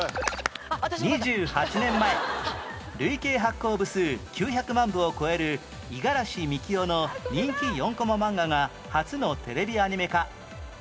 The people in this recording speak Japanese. ２８年前累計発行部数９００万部を超えるいがらしみきおの人気４コマ漫画が初のテレビアニメ化